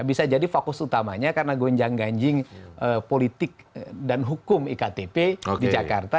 bisa jadi fokus utamanya karena gonjang ganjing politik dan hukum iktp di jakarta